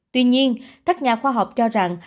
tuy nhiên các nhà khoa học cho rằng